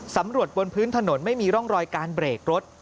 บนพื้นถนนไม่มีร่องรอยการเบรกรถ